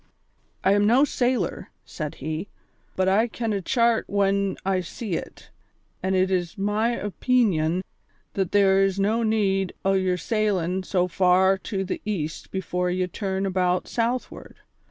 "I am no sailor," said he, "but I ken a chart when I see it, an' it is my opeenion that there is no need o' your sailin' so far to the east before ye turn about southward.